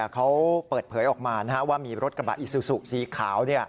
เขาเปิดเผยออกมาว่ามีรถกระบะอิซูซูสีขาว